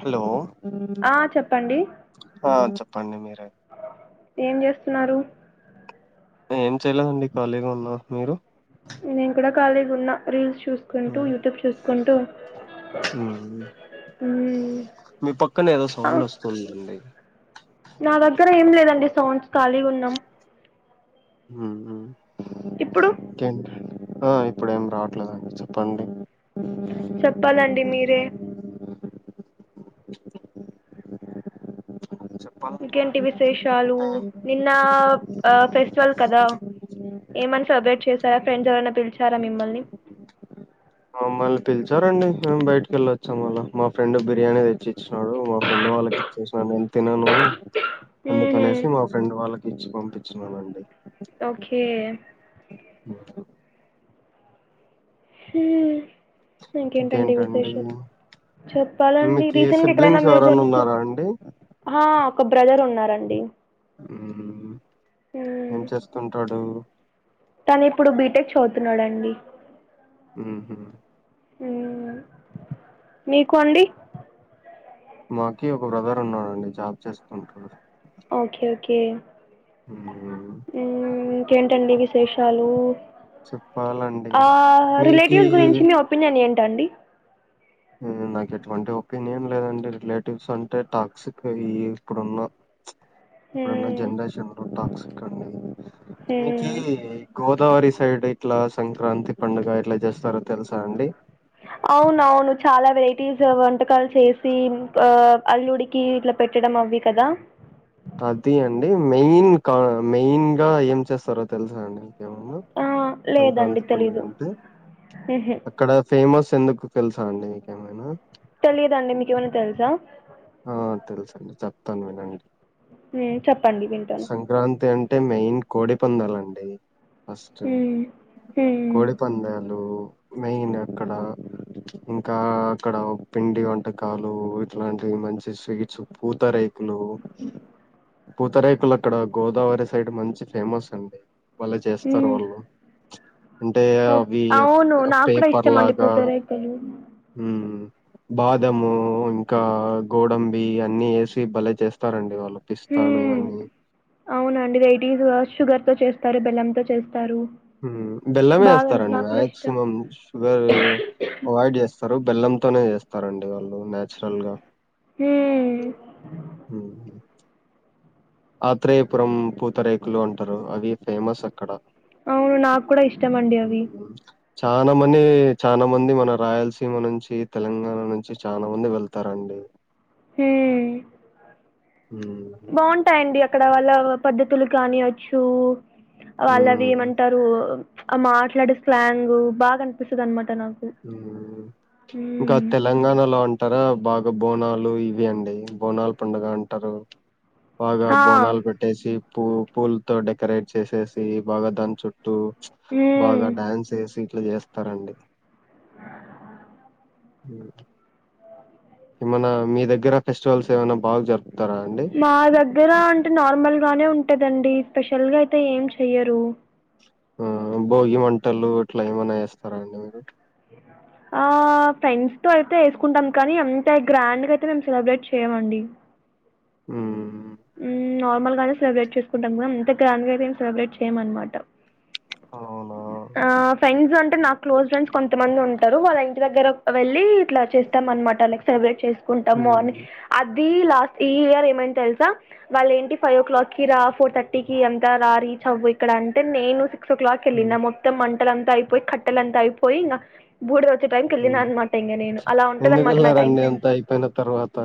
Hello ఆ చెప్పండి ఆ చెప్పండి మీరే ఏం చేస్తున్నారు ఏం చెయలేదండి ఖాళీగా ఉన్నా మీరు నేను కూడా కాలిగా ఉన్న రీల్స్ చూసుకుంటూ హ్మ్ యూట్యూబ్ చూసుకుంటూ మ్మ్ మీ పక్కన ఏదో ఆ సౌండ్ వస్తుందండి నా దగ్గర ఏం లేదండి సౌండ్స్ ఖాళీ ఉన్నాం మ్మ్ ఇప్పుడు ఇంకేంటి ఆ ఇప్పుడు ఏం రావట్లేదండి చెప్పండి చెప్పాలండి మీరే చెప్పాలండి ఇంకేంటి విశేషాలు అంటే నిన్న ఆ ఫెస్టివల్ కదా ఏమన్నా సెలబ్రేట్ చేసారా ఫ్రెండ్స్ ఎవరైనా పిలిచారా మిమ్మల్ని మమ్మల్ని పిలిచారండి మేము బయటకిళ్ళ వచ్చాం మళ్ళ మా ఫ్రెండ్ బిర్యానీ తెచ్చి డు మా ఫ్రెండ్ వాళ్ళకిసిన నేను తినను ఊహూ అందుకనేసి మా ఫ్రెండ్ వాళ్ళకి ఇచ్చి పంపించన్నానండి ఓకే ఓ ఇంకేంటండి విశేషాలు చెప్పాలండి మీకు రీసెంట్ గా ఎక్కడైనా సిబ్లింగ్స్ ఎవరన్నా మ్యూజర్నీ ఉన్నారా అండి హా ఒక బ్రదర్ ఉన్నారండి హ్మ్ఏం చేస్తుంటాడు తను ఇప్పుడు బీటెక్ చదువుతున్నాడుండి హ్మ్ హ్మ్ మీకు అండి మాకి ఒక బ్రదర్ ఉన్నానండి జాబ్ చేస్తుంటారు ఓకే ఓకే హ్మ్. హ్మ్ ఇంకేం టండి విశేషాలు చెప్పాలండి. మీకీ రిలేటివ్స్ గురించి మీ ఒపీనియన్ ఏంటండి నాకు ఎటువంటి ఒపీనియన్ లేదండి రిలేటివ్స్ అంటే టాక్సిక్ ఈ ఇప్పుడున్నా ఇప్పుడున్న మ్మ్, జనరేషన్ లో టాక్స్క్ ఇక్క మీకు మ్మ్. గోదావరి సైడ్ ఇట్లా సంక్రాంతి పండుగ ఎట్లా చేస్తారో తెలుసా అండి అవునవును చాలా వెరైటీస్ వంటకాలు చేసి ఆ అల్లుడికి ఇట్లా పెట్టడం అవి కదా అది అండి మెయిన్ మెయిన్ గా ఏం చేస్తారో తెలుసా అండి ఆ లేదండి సంక్రాంతి పండుగ తెలీదు అంటే మ్హూ. అక్కడ ఫేమస్ ఎందుకు తెలుసా అండి మీకేమైనా తెలియదుండి మీకు ఏమన్న తెలుసా ఆ తెలుస అండి చెప్తాను వినండి చెప్పండి వింటాను సంక్రాంతి అంటే మెయిన్ కోడి పందాలండి ఫస్ట్ మ్మ్, మ్మ్, కోడి పందాలు మెయిన్ అక్కడ ఇంకా అక్కడ పిండి వంటకాలు ఇట్లాంటి ఇ మంచి స్వీట్స్ పూత రేకులు పూతరేకులు అక్కడ గోదావరి సైడ్ మంచి ఫేమస్ అండి బలే చేస్తారు మ్మ్. వాళ్ళు అంటే అవి అవును నాకు కూడా పేపర్ ఇష్టం అండి లాగా పూతరేకులు హ్మ్ బాదము ఇంకా గోడంబి అన్ని వేసి భలే చేస్తారండి వాళ్ళు పిస్తాను మ్మ్ ఇవన్నీ అవునండి రైటిస్ షుగర్ తో చేస్తారు బెలం తో చేస్తారు బెల్లమే బాగా వేస్తారండి నాకు కూడా ఇష్టం మాక్సిమం షుగర్ అవాయిడ్ చేస్తారు బెల్లంతోనే చేస్తారండి వాళ్ళు నచురల్ గా హ్మ్ ఊ ఆత్రేయపురం పూతరేకులు అంటారు అవి ఫేమస్ అక్కడ అవును నాకు కూడా ఇష్టం అండి అవి చానా మని చానా మంది మన రాయలసీమ నుంచి తెలంగాణ నుంచి చాలమంది వెళ్తారండి అ హ హ్మ్. బాగుంటాయండి అక్కడ వాళ్ళ పద్ధతులు కానియచ్చు వాళ్ళు అవి హ్మ్. ఏమంటారు ఆ మాట్లాడే స్లాంగ్ బాగా అనిపిస్తది అనమాట నాకు ఇంకా హ్మ్ తెలంగాణలో అంటారా బాగా బోనాలు ఇవి అండి బోనాలు పండుగ అంటారు బాగా ఆ బోనాలు పెట్టేసి పూ పూలతో డెకరేట్ చేసేసి బాగా దాని చుట్టు బాగా హ్మ్ డ్యాన్స్ వేసి ఇట్లా చేస్తారండి హ ఏమన్నా మీ దగ్గర ఫెస్టివల్స్ ఏమైన్నా బాగా జరుపుకుంటారా మా దగ్గర అంటే నార్మల్గ బానే ఉంటదండి స్పెషల్ గా అయితే ఏం చెయ్యరు ఆ భోగి మంటలు ఇట్లా ఏమనా వేస్తారా అండి మీరు ఆ ఫ్రెండ్స్ తో అయితే వేసుకుంటాం కానీ అంత గ్రాండ్గా అయితే మేము సెలబ్రేట్ చేయమండి ఆ అ నార్మల్ గానే సెలబ్రేట్ చేసుకుంటాం అంత గ్రాండ్ గ అయితే ఏం సెలబ్రేట్ చేయమనమాట అవునా ఆ ఫ్రెండ్స్ అంటే నాకు క్లోజ్ ఫ్రెండ్స్ కొంతమంది ఉంటారు వాళ ఇంటి దగ్గర వెళ్ళి ఇట్లా చేస్తామనమాట లైక్ సెలబ్రేట్ చేస కుంటాం మార్నింగ్ మ్మ్ అది లాస్ట్ ఈ ఇయర్ ఏమైంది తెలుసా వాళ్లు ఏంటి ఫైవ్ ఓ క్లాక్ కి రా ఫోర్ థర్టీ కి ఎంత రా రీచ్ అవ్వు ఇక్కడ అంటే నేను సిక్స్ ఓ క్లాక్కి మ్మ్ వెళ్ళిన మొత్తం మంటలంతా అయిపోయి కట్టెలంతా అయిపోయి ఇంకా బూడిద టైంకి వెళ్ళిన మ్మ్ అనమాట ఇంకా నేను అలా ఉంటది ఎందుకు అనమాట నా టైమ్ వెళ్ళారండి అంత సెన్స్ అయిపోయిన తర్వాత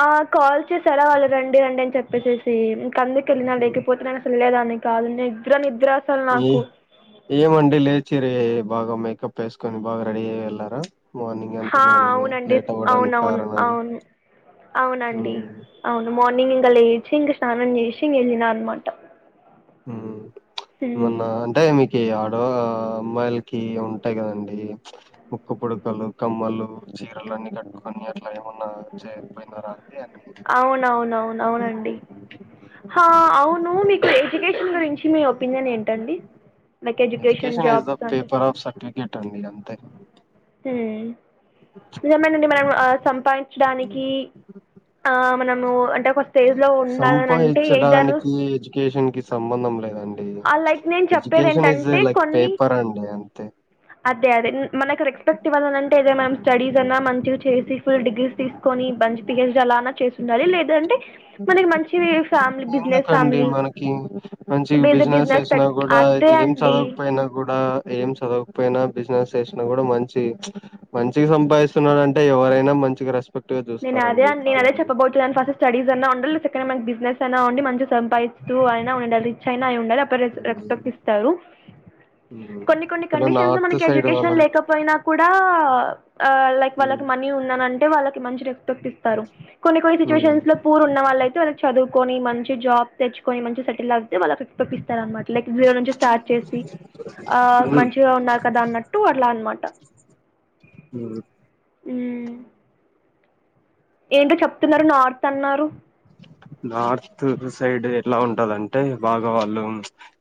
ఆ కాల్ చేసర వాళ్ళు రండి రండి అని చెప్పేసి ఇ అందుకెళ్ళినా ఉమ్. లేకపోతే నేను అసలు వెళ్లే దాన్ని కాదు నిద్ర నిద్ర అసలు నాకు ఈ ఏమండి లేచిరి బాగా మేకప్ వేసుకొని బాగా రెడీ అయి వెళ్లారా మార్నింగ్ అంత హా మార్నింగే అవునండి లేట్ అవ్వడానికి అవునవును కారణాలు అవును అవునండి మ్మ్ అవును మార్నింగ్ ఇంకా లేచి ఇంక స్నానం చేసి ఇంగ వెళ్ళిన అనమాట ఉ హ్మ్. మొన్న అంటే మీ ఆడ అమ్మాయిలకి ఉంటాయి కదండి ముక్కు పుడకలు కమ్మలు చీరలు అన్నీ కట్టుకొని అట్లా ఏమన్నా చేయకపోయినారా అండి అన్ని అవునవున అవున అవునండి ఆ అవును మీకు ఎడ్యుకేషన్ గురించి మీ ఒపీనియన్ ఏంటండి like education is the jobs అంటే పేపర్ ఆఫ్ సర్టిఫికేట్ అండి అంతే ఉ ఏమోనండి మనం ఆ సంపాదించడానికి ఆ మనము అంటేే ఒక స్టేజ్ లో ఉండాలనంటే సంపాదించడానికి ఎడ్యుకేషన్ కి సంబంధం లేదండి ఆ లైక్ నేను చెప్పేది ఎడ్యుకేషన్ ఈజ్ ఏంటంటే లైక్ కొన్ని పేపర్ అండి అంతే అదే అదే మనకు రెస్పెక్ట్ ఇవ్వాలనంటే ఇదే మ్యామ్ స్టడీస్ అన్నా మంచిగా చేసి ఫుల్ డిగ్రీస్ తీసుకొని మంచి పిహెచ్డి అలా అన్న చేసి ఉండాలి లేదంటే మనకి మంచి ఫ్యామిలీ బిజినెస్ ఎందుకండి ఫ్యామిలీ మనకి మంచిగ బేస్ బిజినెస్ చేసినా పెట్ కూడా అదే అయితే ఏం అండి చదవకపోయినా కూడా ఏం చదవక పోయిన బిజినెస్ చేసిన కూడా మంచి మంచిగ సంపాదిస్తున్నాడు అంటే ఎవరైనా మంచిెగ రెస్ నేను అదే నే అదే చెప్పబోతున్నాను ఫస్ట్ స్టడీస్ అన్నా ఉ మంచి బిిజినెసైనా ఉండి మంచిగ సంపాదిస్తూ అయినా ఉండాలి రిచ్ఐనా అె రెస్పెక్ట్ ఇస్తారు ఉమ్ కొన్ని కొన్ని ఇక్కడ కండిషన్స్ లో నార్త్ మనకి సైడ్ ఎడ్యుకేషన్ వాళ్ళంతా లేకపోయినా కూ డ ఆ లైక్ ఉమ్ వాళ్ళకి మనీ ఉన్నానంటే వాళ్ళకి మంచి రెస్పెక్ట్ ఇస్తారు కొన్ని కొన్ని ఉమ్ సిచువేషన్ లో పూర్ ఉన్న వాళ్ళ అయి తారు చదువుకొని మంచి జాబ్ తెచ్చుకొని మంచి సెటిల్ అవుతే వాళ్ళకి ఫి పప్పపిస్తారు అనమాట లైక్ జీరో నుంచి స్టార్ట్ చేసి ఆ ఉమ్ మంచిగా ఉన్నారు కదా అన్నట్టు అట్లా అనమాట ఉ ఉ ఏంటో చెప్తున్నారు నార్త్ అన్నారు నార్త్ సైడ్ ఎలా ఉంటదంటే బాగా వాళ్ళు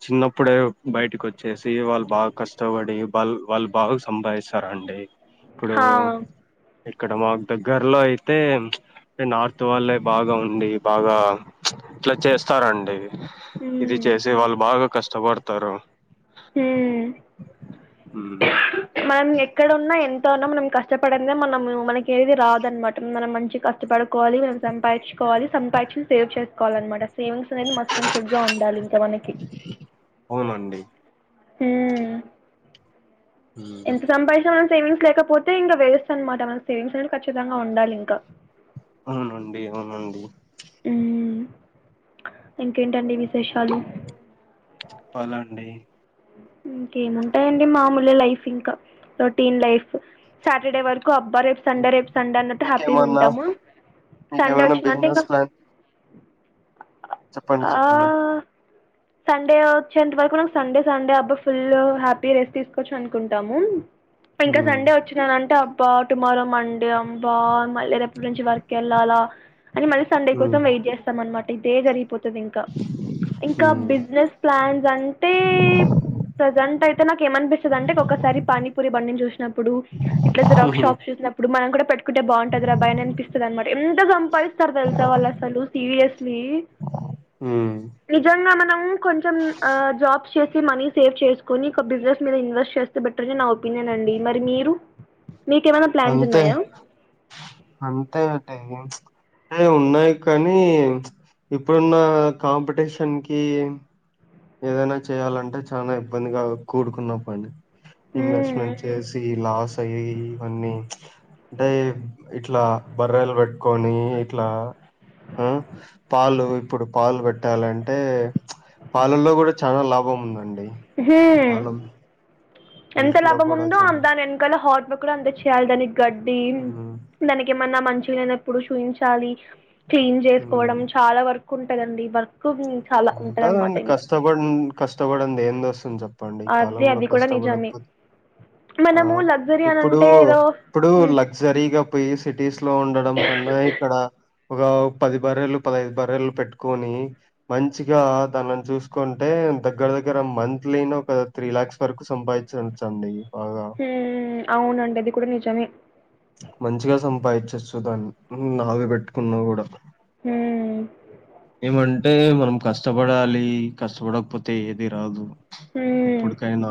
చిన్నప్పుడే బయటకు వ చ్చేసి వాళ్ళు బాగా కష్టపడి వాళ్ళ వాళ్ళు బాగా సంపాదిస్తారండి ఇప్పుడు హా. ఇక్కడ మాకు దగ్గరలో అయితే నార్త్ వాళ్లే బాగా ఉ ఉండి బాగా ఇట్లా చేస్తారండి ఇది ఉమ్. చేసి వాళ్ళు బాగా కష్టపడు తారు ఉ ఉమ్, మనం ఎక్కడన్నా ఎం తానం మనం కష్టపడిందే మనం మనకి ఏది రాదు అనమాట మనం మంచి కష్టపడుకోవాలి మనం సంపాదించుకో కోవాలి సంపాదించి సేవ్ చేసుకోవాలి అన్నమాట సేవింగ్స్ అనేది మస్ట్ అండ్ షూడ్ గా ఉండాలి ఇంకా మనకి అవునండి ఉ ఉమ్. ఎంత సంపాదించవాన్ సేవింగ్స్ లేకపోతే ఇంకా వెస్ట్ అనమాట మన సేవింగ్స్ అనే ఖచ్చితంగా ఉండాలి ఇంకా అవునండి అవునండి ఉ ఇంకేంటండి విశేషాలు చెప్పాలా అండి ఇంకా ఏముంటాయండి మామూలు లైఫ్ ఇంకా రొటీన్ లైఫ్ సాటర్డే వర్క్ కు అబ్బా రేపు సండే రేపు సండే అన్నట్టు హ్యాపీగా మీకేమన్నా ఉంటాము సండే మీకేమైనా వచ్చిందంటే బిజినెస్ ఇంకా ప్లాన్ చెప్పండి ఆ చెప్పండి సండే వచ్చంతే వరకు నాకు సండే సండే అబ్బా ఫుల్ హ్యాపీ రెస్ట్ తీసుకోవచ్చు అనుకుంటాము ఇంకా హ్మ్ సండే వచ్చిననంటేబ్ బా టుమారో మండే అంబా మళ్ళీ రేపటి నుంచి వర్క్ వెళ్ళాలా అని మళ్ళీ సండే కోసం హ్మ్ వెయిట్ చేస్తాం అనమాట ఇదే జరిగిపోతు తుది ఇంకా ఇంకా హ్మ్ బిజినెస్ ప్లాన్స్ అంటే ప్రజెంట్ అయితే నాకు ఏం అనిపిస్తుంది అంటే ఒకసారి పానీపూరి బండిని చూసినప్పుడు ఇట్లా జిరాక్ హుహు. షాప్ చూసినప్పుడు ఇప్పుడు మనం కూడం ఒకటే బాగుంటది రా అబ్బాయిని అనిపిస్తుంది అనమాట ఎంత సంపాదిస్తారు తెలుసా వాళ్ళు అసలు సీరియస్లీ అ నిజంగా మనము కొంచెం ఆ జాబ్స్ ఈ మనీ సేవ్ చేసుకొని ఒక బిజినెస్ మీద ఇన్వెస్ట్ చేస్తే బెటర్ అని నా ఒపీనియన్ అండి మరి మీరు మీకేమైనా ప్లాన్స్ అంతే ఉన్నాయా అంతే అంటయి ఇన్ ఏ ఉన్నాయి కానీ ఇప్పుడున్న కాంపిటీషన్ కి ఏదైనా చేయాలంటే చాలా ఇబ్బందిగా కూడుకున్న పని ఇన్వెస్ట్మెంట్ హ్మ్, చేసి లాస్ అయి ఉ అంటే ఇట్లా బర్రెలు పెట్టుకొని ఇట్లా ఆ పాలు ఇప్పుడు పాలు పెట్టాలంటే పాలల్లో కూడా చాలా లాభం ఉందండి ఏహే పాలం ఎంత మిల్క్‌లో లాభం కూడా ఉందో చాలా. దాని వెనకాల హాట్ బుక్ కూడం తెచ్చియాలి దానికి గడ్డి హ్మ్. దానికి ఏమన్నా మంచిగా లేనప్పుడు చూయించలి క్లీన్ హ్మ్. చేసుకోవడం చాలా వర్క్ ఉంటందండి వర్క్ చాలా ఉంటుంది అనమాట ఉంటదండి ఇంకా కష్టపడి కష్టపడింది ఏం దోస్తుంది చెపు ప్పండి ఈ అదే కాలంలో అది కూడా నిజమే కష్టపడపోదు ఆ మనము లగ్జరీ అని ఇప్పుడు అంటే ఏదో ఇప్పుడు లగ్జరీగా పోయి సిటీస్ లో ఉండడం కన్నా హ్మ్. ఇక్కడ ఒక పది బర్రెలు పదైదు బర్రెలు పెట్టుకొని మంచిగా దానిని చూసుకుంటే దగ్గర దగ్గర మంత్లీని ఒక త్రీ లాక్స్ వరకు సంపాదించ చ చండి హు అవునండి అది కూడా నిజమే మంచిగా సంపాదించొచ్చు దాన్ని నావి పెట్టుకున్నా కూడా హ్మ్. ఏమంటే అంటే మనం కష్టపడాలి కష్టపడకపోతే ఏది రాదు హ్మ్. ఎప్పుటికైనా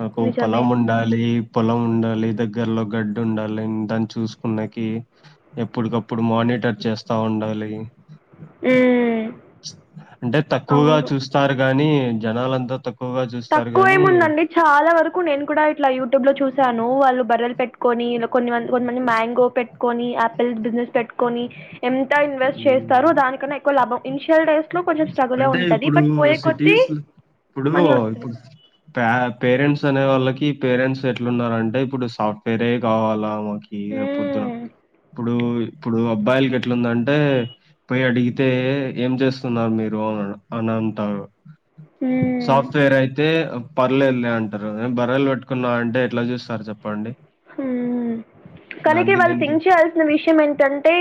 నాకు నిజమే. పొలం ఉండాలి పొలం ఉండాలి దగ్గరలో గడ్డి ఉండాలి దాన్ని చూసుకున్నాకి ఎప్పుటికప్పుడు మార్నింగ్ మీటర్ చేస్తా ఉండాలి హ్మ్. అంటే తక్కువగా అవును. చూస్తారు కాని జనాలంతా తక్కువ తక్కువ ఏముందండి చాలా వరకు నేను కూడా ఇట్లా యూట్యూబ్ లో చూసాను వాళ్ళు బర్రలు పెట్టు కొని ఇ కొన్ని మంది కొంతమంది మ్యాంగో పెట్టుకొని ఆపిల్ బిజినెస్ పెట్టుకొని ఎంత ఇన్వెస్ట్ హ్మ్. చేస్తారునికన్నా ఎక్కువ లాభం ఇనిషియల్ డేస్ అట్లో కొంచెం స్ట్రగుల్ అంటే ఉంటది ఇప్పుడు బట్ పోయే కొద్ది సిటీస్ ఇప్పుడు మనీ వస్తు ఇప్పుడు ప పేరెంట్స్ అనే వాళ్ళకి పేరెంట్స్ ఎట్లున్నార అంటే ఇప్పుడు సాఫ్టువేరే కావాలా కి పొద్దున హ్మ్. ఇప్పుడు ఇప్పుడు అబ్బాయిలకి ఎట్లున్దంటే పోయి అడిగి అయితే ఏం చేస్తున్నారు మీరు అని అంటారు హ్మ్. సాఫ్ట్వేర్ అయితే పర్లేదులే అంటారు నేను బర్రలు పెట్టుకున్నా అంటే ఎట్లా చూస్తారు చెప్పండి హు కనుక దానికి వాళ్ళు దీనికి థింక్ చేయాల్సిన విషయం ఏంటంటే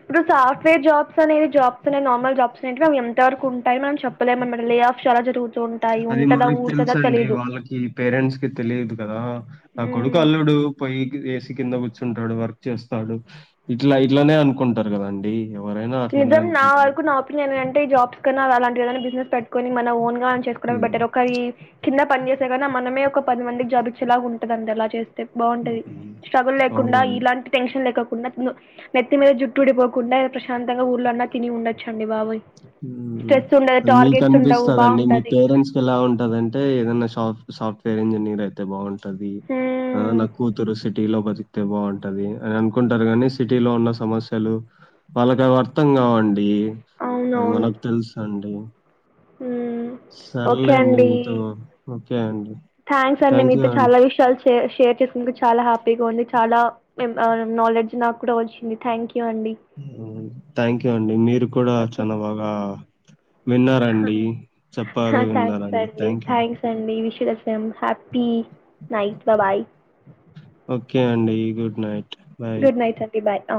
ఇప్పుడు సాఫ్ట్వేర్ జాబ్స్ అనేది జాబ్స్ ని నార్మల్ జాబ్స్ మనం ఎంత వరకు ఉంటా మనం చెప్పలేం అనమాట లే ఆఫ్ చా జరుగుతుంది అది మనకి తెలుస అండి వాళ్ళకి పేరెంట్స్ కి తెలిదు కదా నా కొడుకు హ్మ్. అల్లుడు పోయి ఏసి కింద కూర్చుంటాడు వర్క్ చేస్తాడు ఇట్లా ఇట్లానే అనుకుంటారు కదండి నిజం నా వరకు నా ఒపీనియన్ండి జాబ్స్ కన్నా అలాంటి ఏదైనా బిజినెస్ పెటుకొని మన ఓన్ గాం చేసుకోడం హ్మ్. బెటర్ ఒక ఈ కింద పని ఏదైనా మనమే ఒక పది మందికి జాబచ్చేలా ఉంటుంది అడి ఎలా చేస్తా బాగుంటది హ్మ్. స్ట్రగుల్ లేకుండా అవునండి. ఇలాంటి టెన్షన్ లే నెత్తి మీద జుట్టుడిపోకుండా ప్రశాంతంగా ఊర్లో అన్నా తిని ఉండొచ్చండి బాబోయ్ స్ట్రెస్ ఉండదు అది మీకు టార్గెట్స్ ఉండవు అనిపిస్తదండి మీ బాగుంటది పేరెంట్స్ క ఎలా ఉంటదింటే ఏదైనా షాక్ సాఫ్ట్వేర్ ఇంజనీర్ అయితే బాగుంటది హ్మ్ నా కూతురు సిటీ లో ప్రతి అ బాగుంటది అని అనుకుంటారు గాని సిటీ లో ఉన్న సమస్యలు వాళ్ళకి అవి అర్థం కావండి అవి అవునవును మనకు తెలుసు అండి హ్మ్ సర్లే అండి మీతో ఓకే అండి థ్యాంక్స్ అండి థ్యాంక్ యూ మీతో చాలా విషయాలు షే షేర్ చేసునందుకు చాలా హ్యాపీగా ఉంది చాలా నాలెడ్జ్ నాకు కూడా వచ్చింది థ్యాంక్ యూ అండి హు థ్యాంక్ యూ అండి మీరు కూడా చాల బాగా విన్నారండి. చెప్పారు, థ్యాక్స్ విన్నారండి. అండి థ్యాంక్ యూ. థ్యాక్స్ అండి ఈ విషయ హ్యాపీ నైట్ బా బాయ్ ఓకే అండి good night bye. Good night అండి బాయ్ ఆ